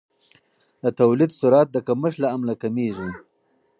د تولید سرعت د کمښت له امله کمیږي.